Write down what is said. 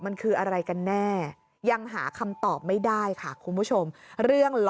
มันคืออะไรกันแน่ยังหาคำตอบไม่ได้ค่ะคุณผู้ชมเรื่องล้อ